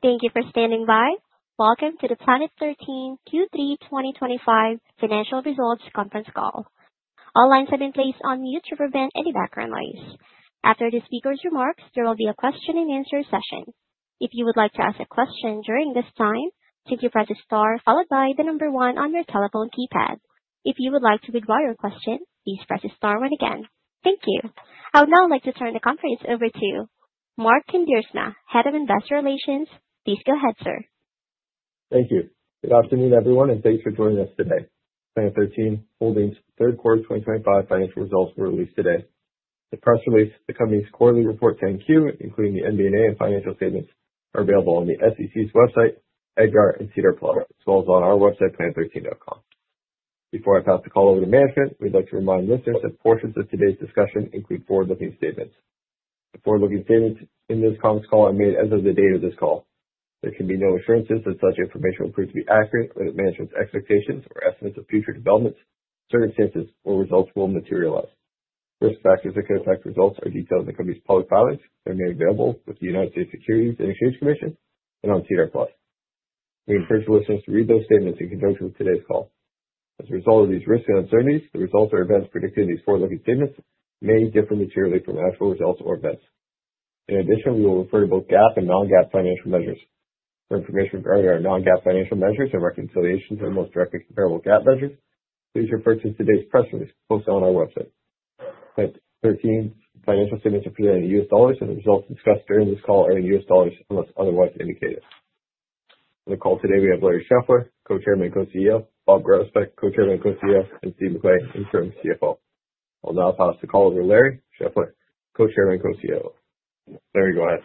Thank you for standing by. Welcome to the Planet 13 Q3 2025 Financial Results Conference Call. All lines have been placed on mute to prevent any background noise. After the speaker's remarks, there will be a question-and-answer session. If you would like to ask a question during this time, please press the star followed by the number one on your telephone keypad. If you would like to withdraw your question, please press the star one again. Thank you. I would now like to turn the conference over to Mark Kuindersma, Head of Investor Relations. Please go ahead, sir. Thank you. Good afternoon, everyone, and thanks for joining us today. Planet 13 Holdings' third quarter 2025 financial results were released today. The press release, the company's quarterly report, and 10-Q, including the MD&A and financial statements, are available on the SEC's website, EDGAR, and SEDAR+, as well as on our website, planet13.com. Before I pass the call over to management, we'd like to remind listeners that portions of today's discussion include forward-looking statements. The forward-looking statements in this conference call are made as of the date of this call. There can be no assurances that such information will prove to be accurate or that management's expectations or estimates of future developments, circumstances, or results will materialize. Risk factors that could affect results are detailed in the company's public filings that are made available with the United States Securities and Exchange Commission and on SEDAR+. We encourage listeners to read those statements in conjunction with today's call. As a result of these risks and uncertainties, the results or events predicted in these forward-looking statements may differ materially from actual results or events. In addition, we will refer to both GAAP and non-GAAP financial measures. For information regarding our non-GAAP financial measures and reconciliation to the most directly comparable GAAP measures, please refer to today's press release posted on our website. Planet 13 financial statements are presented in U.S. dollars, and the results discussed during this call are in U.S. dollars unless otherwise indicated. For the call today, we have Larry Scheffler, Co-Chairman and Co-CEO, Bob Groesbeck, Co-Chairman and Co-CEO, and Steve McLean, Interim CFO. I'll now pass the call over to Larry Scheffler, Co-Chairman and Co-CEO. Larry, go ahead.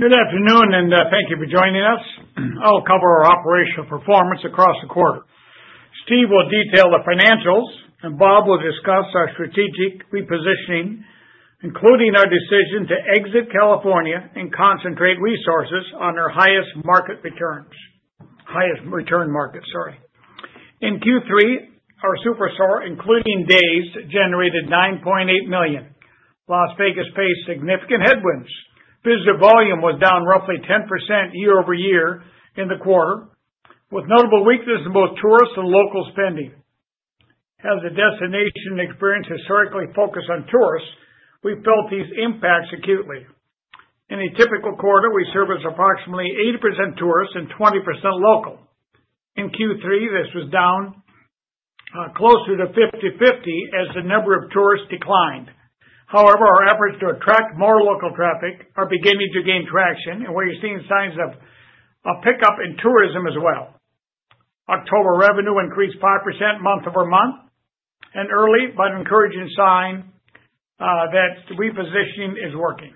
Good afternoon, and thank you for joining us. I'll cover our operational performance across the quarter. Steve will detail the financials, and Bob will discuss our strategic repositioning, including our decision to exit California and concentrate resources on our highest market returns. Highest return market, sorry. In Q3, our SuperStore, including Dazed, generated $9.8 million. Las Vegas faced significant headwinds. Visitor volume was down roughly 10% year-over-year in the quarter, with notable weakness in both tourist and local spending. As a destination experience historically focused on tourists, we felt these impacts acutely. In a typical quarter, we service approximately 80% tourists and 20% local. In Q3, this was down closer to 50/50 as the number of tourists declined. However, our efforts to attract more local traffic are beginning to gain traction, and we're seeing signs of a pickup in tourism as well. October revenue increased 5% month over month, an early but encouraging sign that repositioning is working.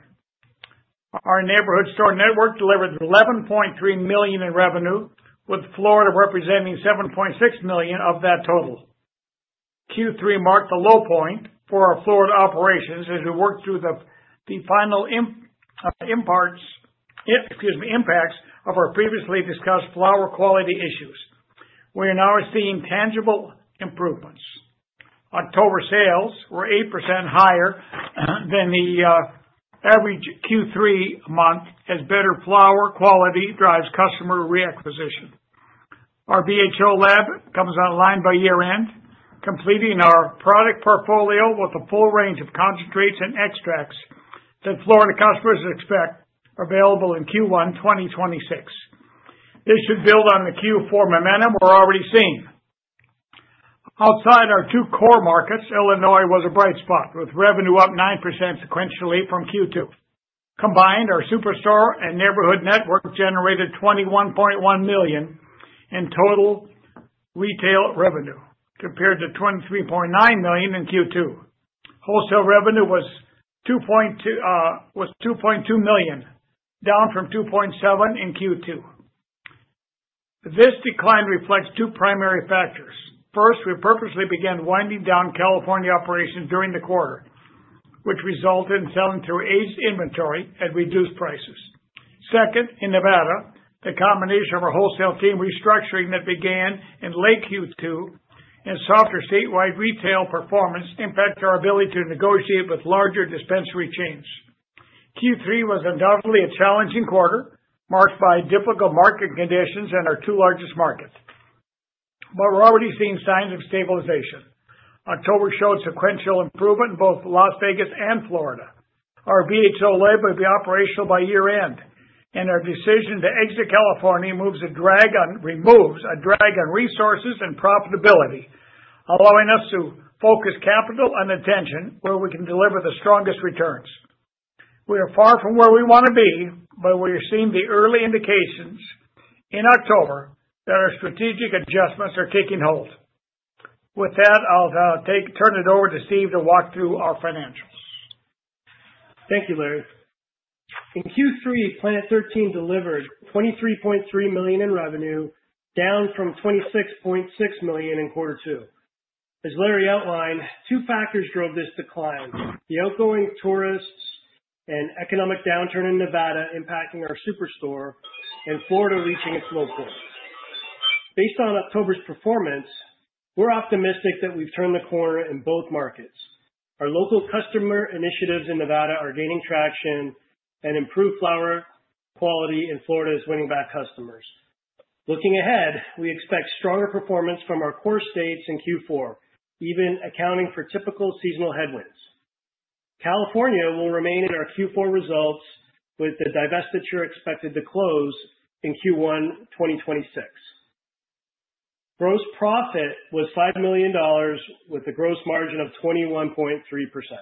Our neighborhood store network delivered $11.3 million in revenue, with Florida representing $7.6 million of that total. Q3 marked the low point for our Florida operations as we worked through the final impacts of our previously discussed flower quality issues. We are now seeing tangible improvements. October sales were 8% higher than the average Q3 month, as better flower quality drives customer reacquisition. Our BHO lab comes online by year-end, completing our product portfolio with a full range of concentrates and extracts that Florida customers expect available in Q1 2026. This should build on the Q4 momentum we're already seeing. Outside our two core markets, Illinois was a bright spot, with revenue up 9% sequentially from Q2. Combined, our SuperStore and neighborhood network generated $21.1 million in total retail revenue, compared to $23.9 million in Q2. Wholesale revenue was $2.2 million, down from $2.7 million in Q2. This decline reflects two primary factors. First, we purposely began winding down California operations during the quarter, which resulted in selling through aged inventory at reduced prices. Second, in Nevada, the combination of our wholesale team restructuring that began in late Q2 and softer statewide retail performance impacted our ability to negotiate with larger dispensary chains. Q3 was undoubtedly a challenging quarter, marked by difficult market conditions and our two largest markets. But we're already seeing signs of stabilization. October showed sequential improvement in both Las Vegas and Florida. Our BHO lab will be operational by year-end, and our decision to exit California removes a drag on resources and profitability, allowing us to focus capital and attention where we can deliver the strongest returns. We are far from where we want to be, but we are seeing the early indications in October that our strategic adjustments are taking hold. With that, I'll turn it over to Steve to walk through our financials. Thank you, Larry. In Q3, Planet 13 delivered $23.3 million in revenue, down from $26.6 million in quarter two. As Larry outlined, two factors drove this decline: the outgoing tourists and economic downturn in Nevada impacting our SuperStore, and Florida reaching its low point. Based on October's performance, we're optimistic that we've turned the corner in both markets. Our local customer initiatives in Nevada are gaining traction, and improved flower quality in Florida is winning back customers. Looking ahead, we expect stronger performance from our core states in Q4, even accounting for typical seasonal headwinds. California will remain in our Q4 results, with the divestiture expected to close in Q1 2026. Gross profit was $5 million, with a gross margin of 21.3%. This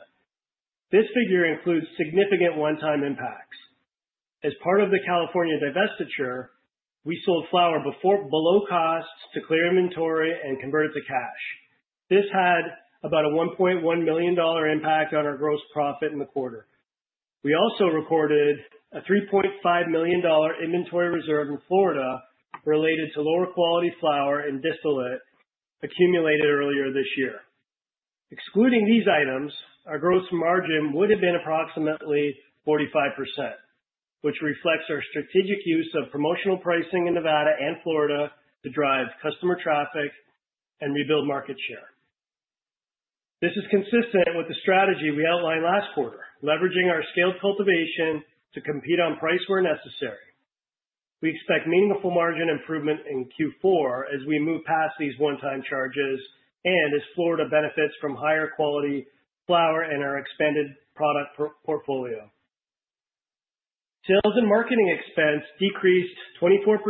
figure includes significant one-time impacts. As part of the California divestiture, we sold flower below costs to clear inventory and convert it to cash. This had about a $1.1 million impact on our gross profit in the quarter. We also recorded a $3.5 million inventory reserve in Florida related to lower quality flower and distillate accumulated earlier this year. Excluding these items, our gross margin would have been approximately 45%, which reflects our strategic use of promotional pricing in Nevada and Florida to drive customer traffic and rebuild market share. This is consistent with the strategy we outlined last quarter, leveraging our scaled cultivation to compete on price where necessary. We expect meaningful margin improvement in Q4 as we move past these one-time charges and as Florida benefits from higher quality flower and our expanded product portfolio. Sales and marketing expense decreased 24%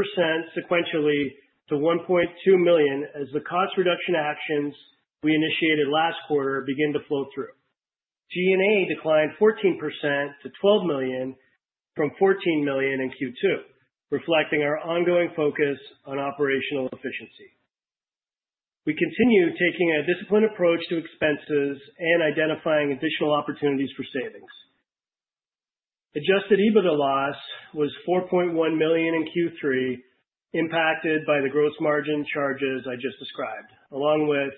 sequentially to $1.2 million as the cost reduction actions we initiated last quarter begin to flow through. G&A declined 14% to $12 million, from $14 million in Q2, reflecting our ongoing focus on operational efficiency. We continue taking a disciplined approach to expenses and identifying additional opportunities for savings. Adjusted EBITDA loss was $4.1 million in Q3, impacted by the gross margin charges I just described, along with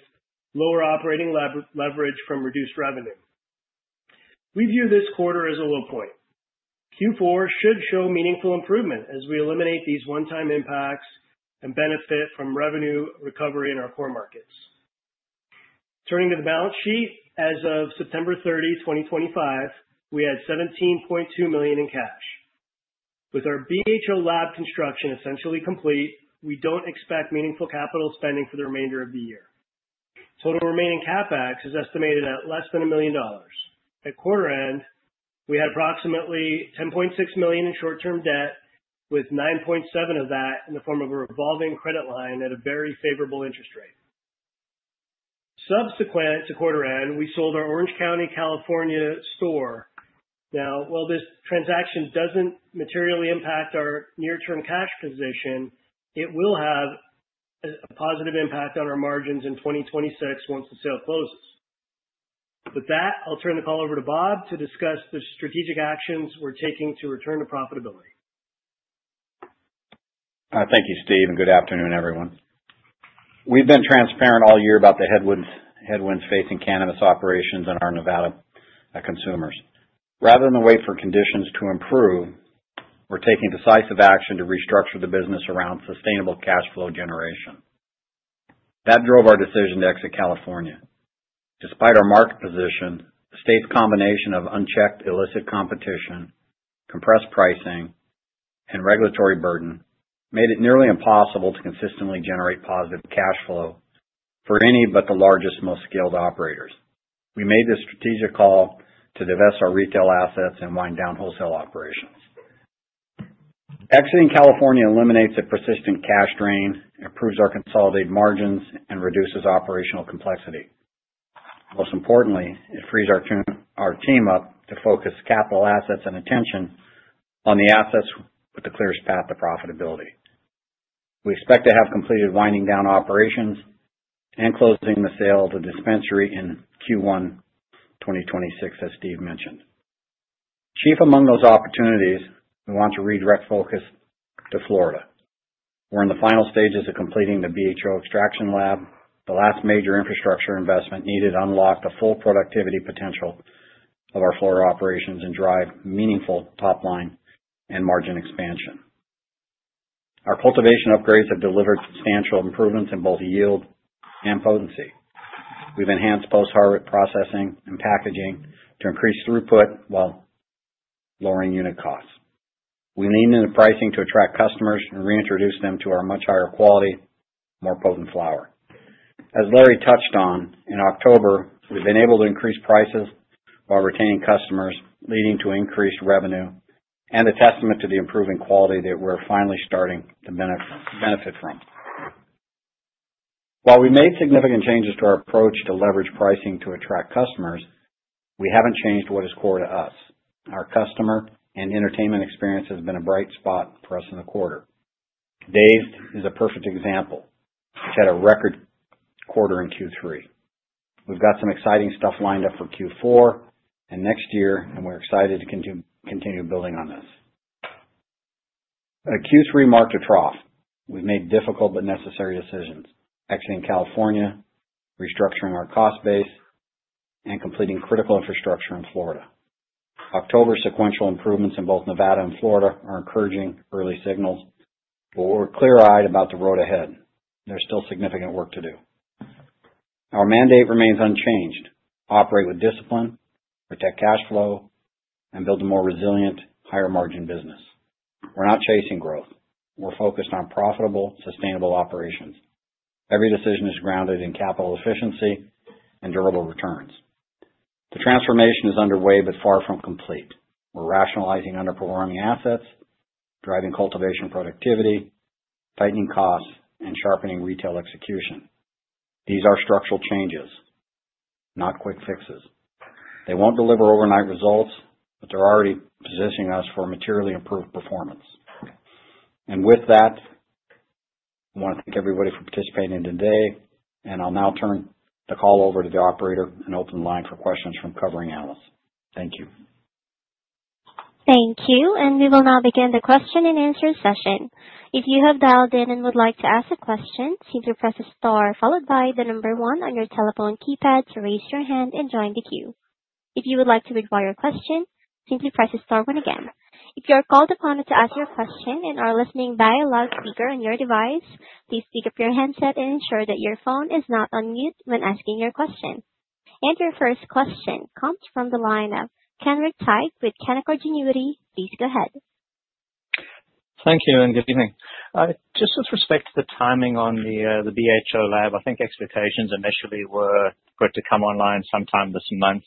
lower operating leverage from reduced revenue. We view this quarter as a low point. Q4 should show meaningful improvement as we eliminate these one-time impacts and benefit from revenue recovery in our core markets. Turning to the balance sheet, as of 30 September 2025, we had $17.2 million in cash. With our BHO lab construction essentially complete, we don't expect meaningful capital spending for the remainder of the year. Total remaining CapEx is estimated at less than $1 million. At quarter end, we had approximately $10.6 million in short-term debt, with $9.7 million of that in the form of a revolving credit line at a very favorable interest rate. Subsequent to quarter end, we sold our Orange County, California store. Now, while this transaction doesn't materially impact our near-term cash position, it will have a positive impact on our margins in 2026 once the sale closes. With that, I'll turn the call over to Bob to discuss the strategic actions we're taking to return to profitability. Thank you, Steve, and good afternoon, everyone. We've been transparent all year about the headwinds facing cannabis operations and our Nevada consumers. Rather than wait for conditions to improve, we're taking decisive action to restructure the business around sustainable cash flow generation. That drove our decision to exit California. Despite our market position, the state's combination of unchecked illicit competition, compressed pricing, and regulatory burden made it nearly impossible to consistently generate positive cash flow for any but the largest, most skilled operators. We made this strategic call to divest our retail assets and wind down wholesale operations. Exiting California eliminates a persistent cash drain, improves our consolidated margins, and reduces operational complexity. Most importantly, it frees our team up to focus capital assets and attention on the assets with the clearest path to profitability. We expect to have completed winding down operations and closing the sale of the dispensary in Q1 2026, as Steve mentioned. Chief among those opportunities, we want to redirect focus to Florida. We're in the final stages of completing the BHO extraction lab, the last major infrastructure investment needed to unlock the full productivity potential of our Florida operations and drive meaningful top-line and margin expansion. Our cultivation upgrades have delivered substantial improvements in both yield and potency. We've enhanced post-harvest processing and packaging to increase throughput while lowering unit costs. We leaned into pricing to attract customers and reintroduce them to our much higher quality, more potent flower. As Larry touched on, in October, we've been able to increase prices while retaining customers, leading to increased revenue and a testament to the improving quality that we're finally starting to benefit from. While we made significant changes to our approach to leverage pricing to attract customers, we haven't changed what is core to us. Our customer and entertainment experience has been a bright spot for us in the quarter. Dazed! is a perfect example. We've had a record quarter in Q3. We've got some exciting stuff lined up for Q4 and next year, and we're excited to continue building on this. Q3 marked a trough. We've made difficult but necessary decisions: exiting California, restructuring our cost base, and completing critical infrastructure in Florida. October's sequential improvements in both Nevada and Florida are encouraging early signals, but we're clear-eyed about the road ahead. There's still significant work to do. Our mandate remains unchanged: operate with discipline, protect cash flow, and build a more resilient, higher-margin business. We're not chasing growth. We're focused on profitable, sustainable operations. Every decision is grounded in capital efficiency and durable returns. The transformation is underway but far from complete. We're rationalizing underperforming assets, driving cultivation productivity, tightening costs, and sharpening retail execution. These are structural changes, not quick fixes. They won't deliver overnight results, but they're already positioning us for materially improved performance, and with that, I want to thank everybody for participating today, and I'll now turn the call over to the operator and open the line for questions from covering analysts. Thank you. Thank you, and we will now begin the question and answer session. If you have dialed in and would like to ask a question, simply press the star followed by the number one on your telephone keypad to raise your hand and join the queue. If you would like to withdraw your question, simply press the star one again. If you are called upon to ask your question and are listening by a loudspeaker on your device, please pick up your handset and ensure that your phone is not on mute when asking your question. Your first question comes from the line of Kenric Tyghe with Canaccord Genuity. Please go ahead. Thank you and good evening. Just with respect to the timing on the BHO lab, I think expectations initially were for it to come online sometime this month.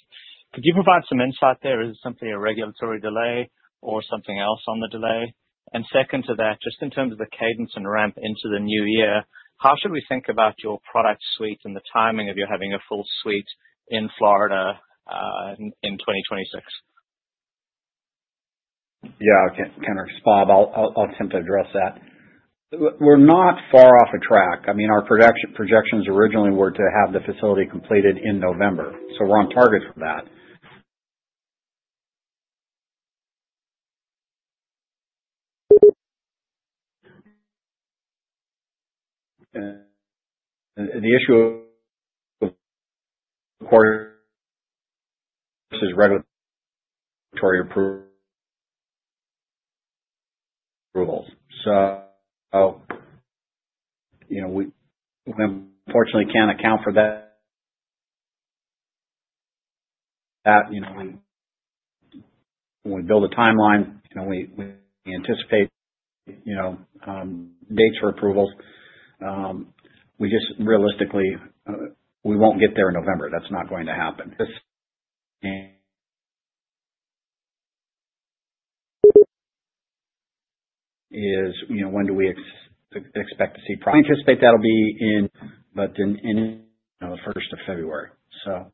Could you provide some insight there? Is it simply a regulatory delay or something else on the delay? And second to that, just in terms of the cadence and ramp into the new year, how should we think about your product suite and the timing of you having a full suite in Florida in 2026? Yeah, Kenric. It's Bob. I'll attempt to address that. We're not far off track. I mean, our projections originally were to have the facility completed in November, so we're on target for that. The issue of quarter versus regulatory approvals. So we unfortunately can't account for that. When we build a timeline, we anticipate dates for approvals. We just realistically, we won't get there in November. That's not going to happen. This is when do we expect to see? I anticipate that'll be in, but in the first of February, so.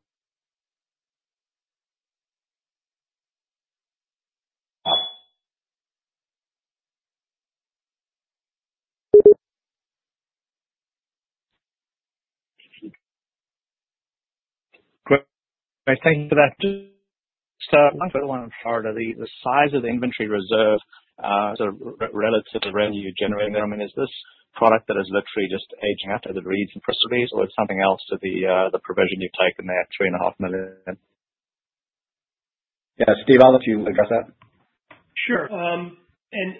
Great. Thank you for that. So I want to go on and forward to the size of the inventory reserve relative to the revenue generated. I mean, is this product that is literally just aging up as it reads in proceedings, or is it something else to the provision you've taken there at $3.5 million? Yeah, Steve, I'll let you address that. Sure. And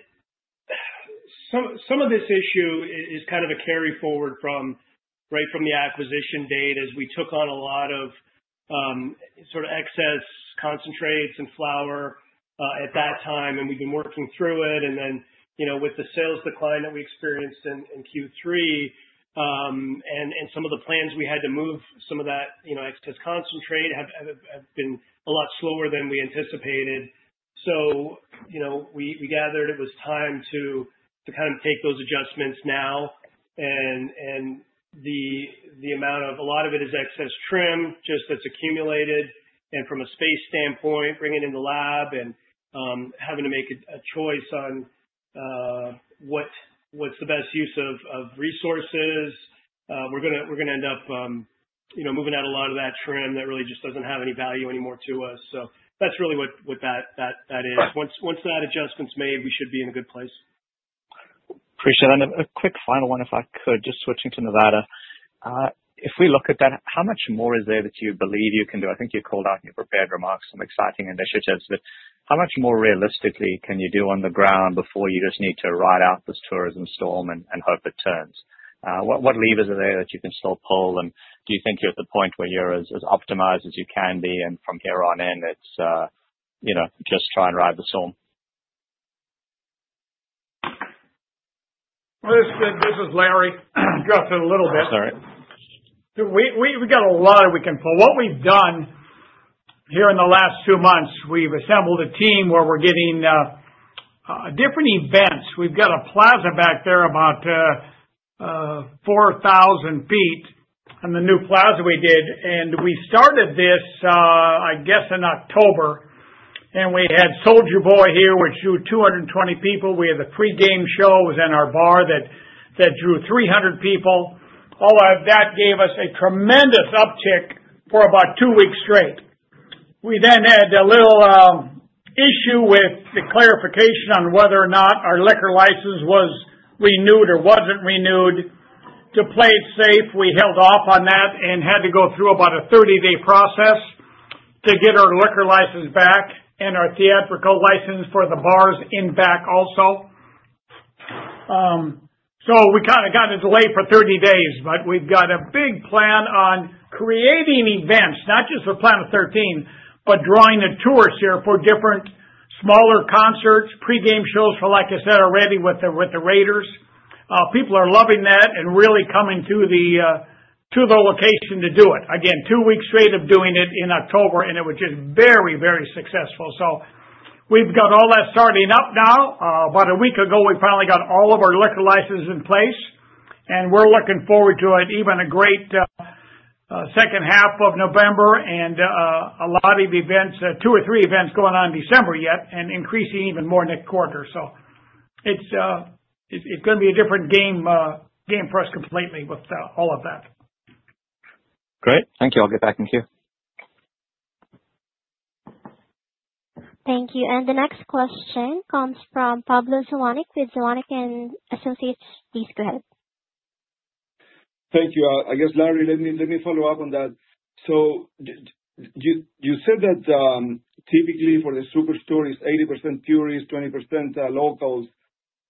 some of this issue is kind of a carry forward from right from the acquisition date as we took on a lot of sort of excess concentrates and flower at that time, and we've been working through it. And then with the sales decline that we experienced in Q3 and some of the plans we had to move some of that excess concentrate have been a lot slower than we anticipated. So we gathered it was time to kind of take those adjustments now. And the amount of a lot of it is excess trim just that's accumulated. And from a space standpoint, bringing in the lab and having to make a choice on what's the best use of resources, we're going to end up moving out a lot of that trim that really just doesn't have any value anymore to us. So that's really what that is. Once that adjustment's made, we should be in a good place. Appreciate it. And a quick final one, if I could, just switching to Nevada. If we look at that, how much more is there that you believe you can do? I think you called out in your prepared remarks some exciting initiatives, but how much more realistically can you do on the ground before you just need to ride out this tourism storm and hope it turns? What levers are there that you can still pull? And do you think you're at the point where you're as optimized as you can be and from here on in, it's just try and ride the storm? This is Larry. I dropped it a little bit. Sorry. We've got a lot that we can pull. What we've done here in the last two months, we've assembled a team where we're getting different events. We've got a plaza back there about 4,000 sq ft on the new plaza we did. We started this, I guess, in October, and we had Soulja Boy here, which drew 220 people. We had the pre-game show. It was in our bar that drew 300 people. All of that gave us a tremendous uptick for about two weeks straight. We then had a little issue with the clarification on whether or not our liquor license was renewed or wasn't renewed. To play it safe, we held off on that and had to go through about a 30-day process to get our liquor license back and our theatrical license for the bars in back also. So we kind of got a delay for 30 days, but we've got a big plan on creating events, not just for Planet 13, but drawing a tourist here for different smaller concerts, pre-game shows for, like I said already, with the Raiders. People are loving that and really coming to the location to do it. Again, two weeks straight of doing it in October, and it was just very, very successful. So we've got all that starting up now. About a week ago, we finally got all of our liquor licenses in place, and we're looking forward to even a great second half of November and a lot of events, two or three events going on in December yet and increasing even more next quarter. So it's going to be a different game for us completely with all of that. Great. Thank you. I'll get back in here. Thank you. And the next question comes from Pablo Zuanic with Zuanic & Associates. Please go ahead. Thank you. I guess, Larry, let me follow up on that. So you said that typically for the SuperStores, 80% tourists, 20% locals.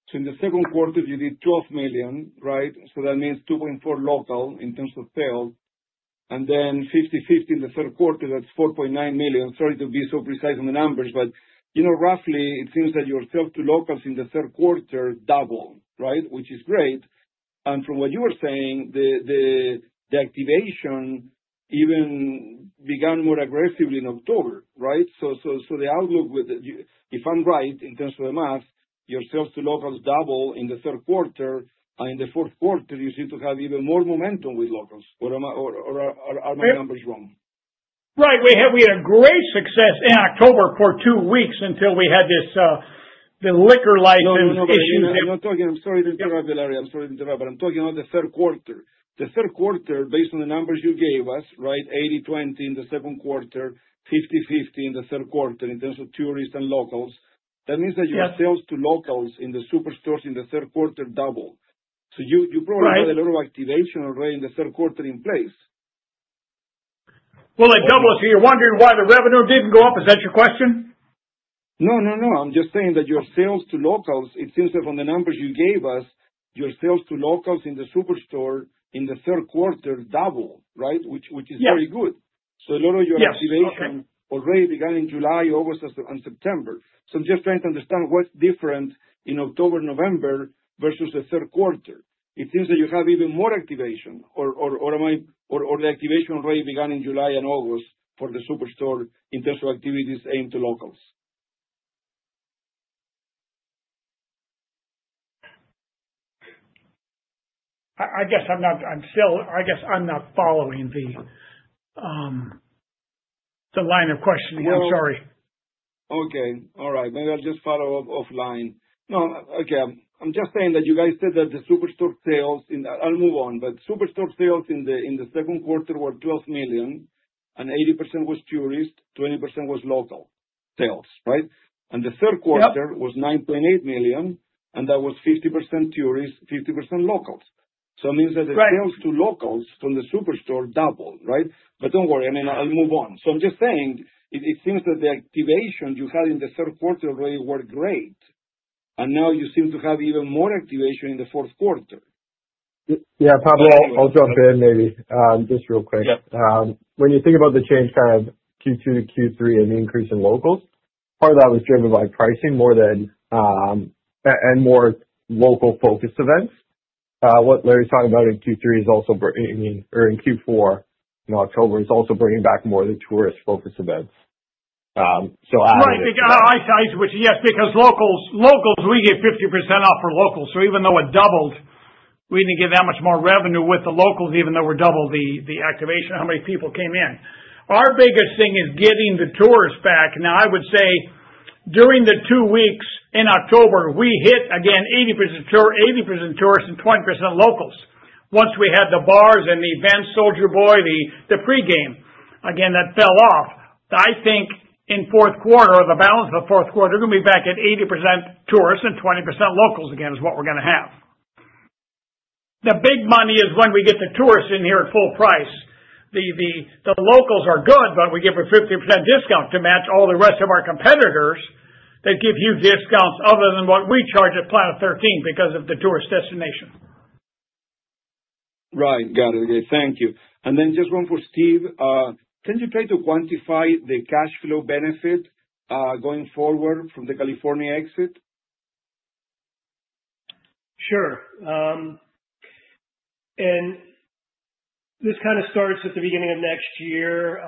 So in the second quarter, you did $12 million, right? So that means $2.4 million local in terms of sales. And then 50/50 in the third quarter, that's $4.9 million. Sorry to be so precise on the numbers, but roughly, it seems that your sales to locals in the third quarter doubled, right? Which is great. And from what you were saying, the activation even began more aggressively in October, right? So the outlook with, if I'm right, in terms of the math, your sales to locals doubled in the third quarter, and in the fourth quarter, you seem to have even more momentum with locals. Or are my numbers wrong? Right. We had a great success in October for two weeks until we had the liquor license issues. No, no, no. I'm not talking, I'm sorry to interrupt, Larry. I'm sorry to interrupt, but I'm talking about the third quarter. The third quarter, based on the numbers you gave us, right? 80/20 in the second quarter, 50/50 in the third quarter in terms of tourists and locals. That means that your sales to locals in the SuperStores in the third quarter doubled. So you probably had a lot of activation already in the third quarter in place. Well, it doubled. So you're wondering why the revenue didn't go up? Is that your question? No, no, no. I'm just saying that your sales to locals, it seems that from the numbers you gave us, your sales to locals in the SuperStore in the third quarter doubled, right? Which is very good. So a lot of your activation already began in July, August, and September. So I'm just trying to understand what's different in October, November versus the third quarter. It seems that you have even more activation. Or the activation already began in July and August for the SuperStore in terms of activities aimed to locals. I guess I'm not following the line of questioning. I'm sorry. Okay. All right. Maybe I'll just follow up offline. No, okay. I'm just saying that you guys said that the SuperStore sales. I'll move on, but SuperStore sales in the second quarter were $12 million, and 80% was tourists, 20% was local sales, right? And the third quarter was $9.8 million, and that was 50% tourists, 50% locals. So it means that the sales to locals from the SuperStore doubled, right? But don't worry. I mean, I'll move on. So I'm just saying it seems that the activation you had in the third quarter already worked great. And now you seem to have even more activation in the fourth quarter. Yeah, Pablo, I'll jump in maybe. Just real quick. When you think about the change kind of Q2 to Q3 and the increase in locals, part of that was driven by pricing more than—and more local-focused events. What Larry's talking about in Q3 is also—I mean, or in Q4 in October is also bringing back more of the tourist-focused events. So adding. Right. I see. Yes, because locals, we get 50% off for locals. So even though it doubled, we didn't get that much more revenue with the locals even though we doubled the activation, how many people came in? Our biggest thing is getting the tourists back. Now, I would say during the two weeks in October, we hit again 80% tourists and 20% locals once we had the bars and the events, Soulja Boy, the pre-game. Again, that fell off. I think in fourth quarter, or the balance of fourth quarter, we're going to be back at 80% tourists and 20% locals again is what we're going to have. The big money is when we get the tourists in here at full price. The locals are good, but we give a 50% discount to match all the rest of our competitors that give you discounts other than what we charge at Planet 13 because of the tourist destination. Right. Got it. Okay. Thank you. And then just one for Steve. Can you try to quantify the cash flow benefit going forward from the California exit? Sure. And this kind of starts at the beginning of next year.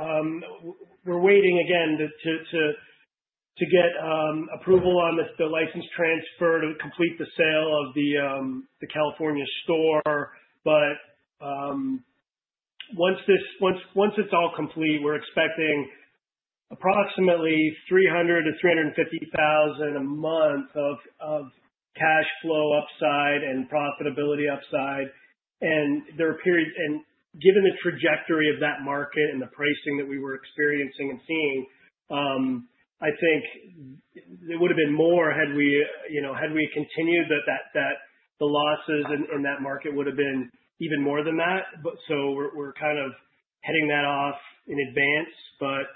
We're waiting again to get approval on the license transfer to complete the sale of the California store. But once it's all complete, we're expecting approximately $300,000 to 350,000 a month of cash flow upside and profitability upside. And given the trajectory of that market and the pricing that we were experiencing and seeing, I think it would have been more had we continued, that the losses in that market would have been even more than that. So we're kind of heading that off in advance. But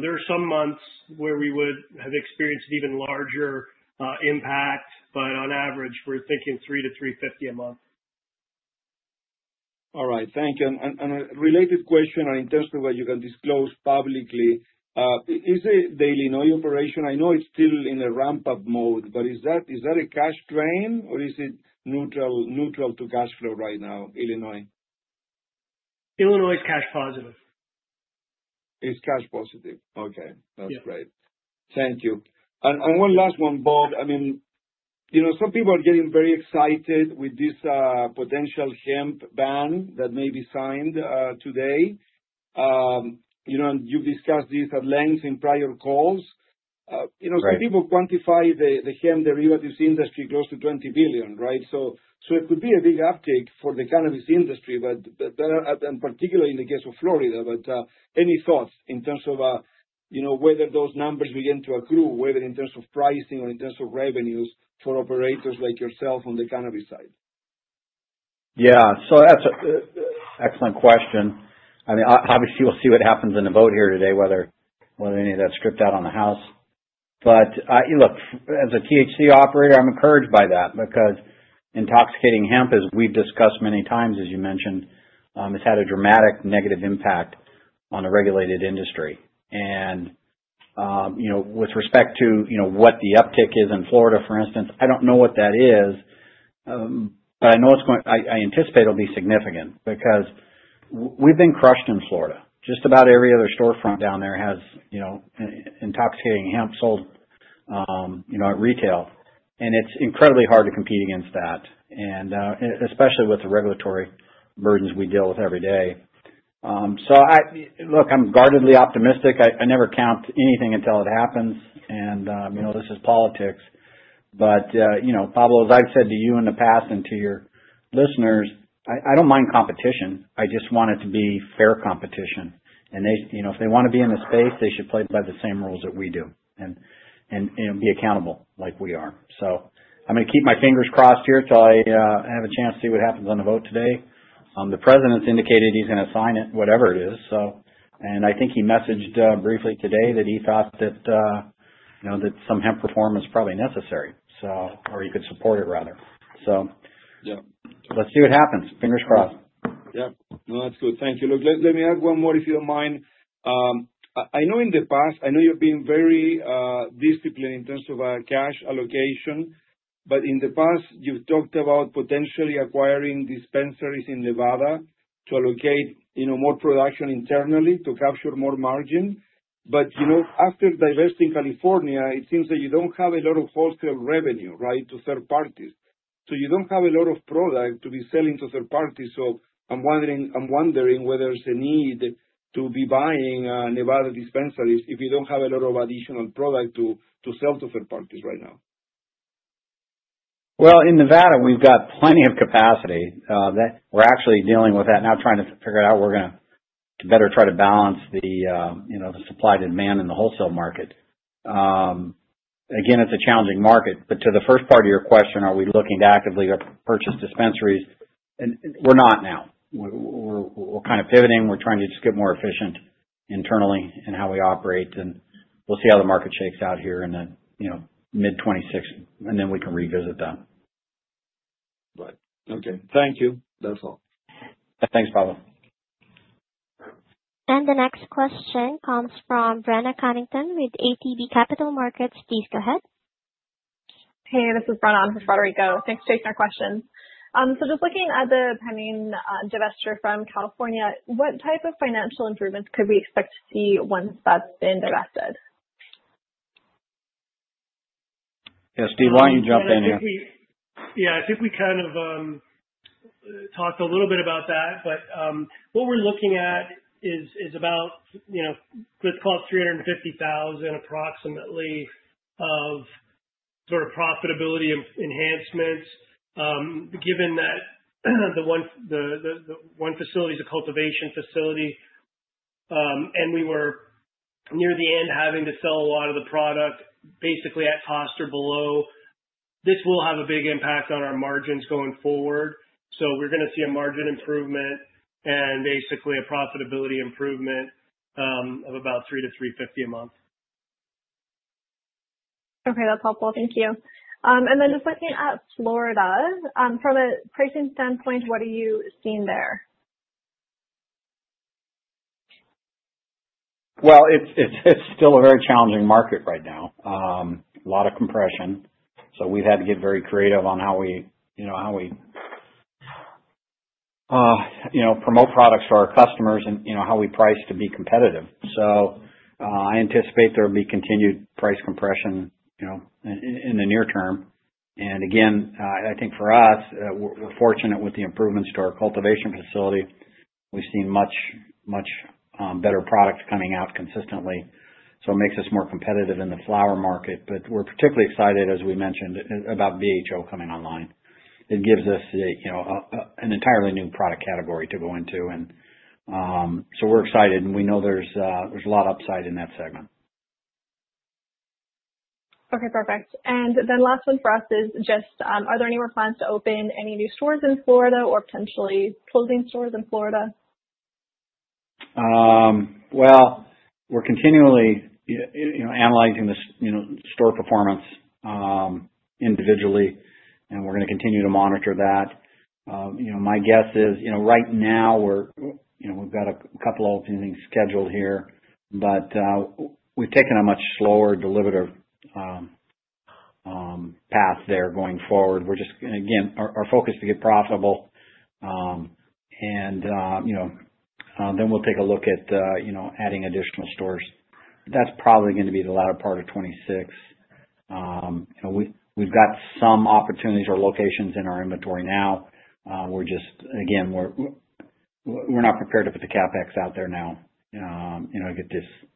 there are some months where we would have experienced an even larger impact, but on average, we're thinking $300,000 to $350,000 a month. All right. Thank you. And a related question in terms of what you can disclose publicly. Is the Illinois operation, I know it's still in a ramp-up mode, but is that a cash drain, or is it neutral to cash flow right now, Illinois? Illinois is cash positive. It's cash positive. Okay. That's great. Thank you. And one last one, Bob. I mean, some people are getting very excited with this potential hemp ban that may be signed today. And you've discussed this at length in prior calls. Some people quantify the hemp derivatives industry close to $20 billion, right? So it could be a big uptake for the cannabis industry, but particularly in the case of Florida. But any thoughts in terms of whether those numbers begin to accrue, whether in terms of pricing or in terms of revenues for operators like yourself on the cannabis side? Yeah, so that's an excellent question. I mean, obviously, we'll see what happens in the vote here today, whether any of that's stripped out on the house. But look, as a THC operator, I'm encouraged by that because intoxicating hemp, as we've discussed many times, as you mentioned, has had a dramatic negative impact on the regulated industry. And with respect to what the uptake is in Florida, for instance, I don't know what that is, but I know it's going, I anticipate it'll be significant because we've been crushed in Florida. Just about every other storefront down there has intoxicating hemp sold at retail. And it's incredibly hard to compete against that, especially with the regulatory burdens we deal with every day. Look, I'm guardedly optimistic. I never count anything until it happens. And this is politics. But Pablo, as I've said to you in the past and to your listeners, I don't mind competition. I just want it to be fair competition. And if they want to be in the space, they should play by the same rules that we do and be accountable like we are. So I'm going to keep my fingers crossed here till I have a chance to see what happens on the vote today. The President's indicated he's going to sign it, whatever it is. And I think he messaged briefly today that he thought that some hemp reform is probably necessary, or he could support it, rather. So let's see what happens. Fingers crossed. Yeah. No, that's good. Thank you. Look, let me add one more if you don't mind. I know in the past, I know you've been very disciplined in terms of cash allocation, but in the past, you've talked about potentially acquiring dispensaries in Nevada to allocate more production internally to capture more margin. But after divesting California, it seems that you don't have a lot of wholesale revenue, right, to third parties. So you don't have a lot of product to be selling to third parties. So I'm wondering whether there's a need to be buying Nevada dispensaries if you don't have a lot of additional product to sell to third parties right now? In Nevada, we've got plenty of capacity. We're actually dealing with that now, trying to figure out how we're going to better try to balance the supply to demand in the wholesale market. Again, it's a challenging market. But to the first part of your question, are we looking to actively purchase dispensaries? We're not now. We're kind of pivoting. We're trying to just get more efficient internally in how we operate. We'll see how the market shakes out here in the mid-2026, and then we can revisit that. Right. Okay. Thank you. That's all. Thanks, Pablo. The next question comes from Brenna Cunnington with ATB Capital Markets. Please go ahead. Hey, this is Brenna for Frederico. Thanks for taking our questions. So just looking at the pending divestiture from California, what type of financial improvements could we expect to see once that's been divested? Yeah, Steve, why don't you jump in here? Yeah. I think we kind of talked a little bit about that. But what we're looking at is about, let's call it $350,000 approximately of sort of profitability enhancements, given that the one facility is a cultivation facility, and we were near the end having to sell a lot of the product basically at cost or below. This will have a big impact on our margins going forward. So we're going to see a margin improvement and basically a profitability improvement of about $300,000 to $350,000 a month. Okay. That's helpful. Thank you. And then just looking at Florida, from a pricing standpoint, what are you seeing there? It's still a very challenging market right now. A lot of compression, so we've had to get very creative on how we promote products to our customers and how we price to be competitive, so I anticipate there will be continued price compression in the near term, and again, I think for us, we're fortunate with the improvements to our cultivation facility. We've seen much, much better products coming out consistently, so it makes us more competitive in the flower market, but we're particularly excited, as we mentioned, about BHO coming online. It gives us an entirely new product category to go into, and so we're excited, and we know there's a lot of upside in that segment. Okay. Perfect. And then last one for us is just, are there any plans to open any new stores in Florida or potentially closing stores in Florida? We're continually analyzing the store performance individually, and we're going to continue to monitor that. My guess is right now, we've got a couple of openings scheduled here, but we've taken a much slower delivery path there going forward. We're just, again, our focus is to get profitable. And then we'll take a look at adding additional stores. That's probably going to be the latter part of 2026. We've got some opportunities or locations in our inventory now. Again, we're not prepared to put the CapEx out there now to get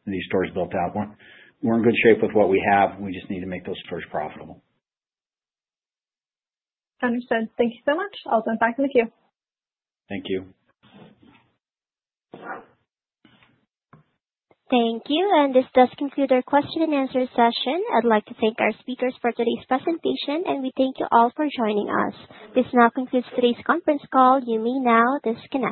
these stores built out. We're in good shape with what we have. We just need to make those stores profitable. Understood. Thank you so much. I'll jump back in the queue. Thank you. Thank you. And this does conclude our question-and-answer session. I'd like to thank our speakers for today's presentation, and we thank you all for joining us. This now concludes today's conference call. You may now disconnect.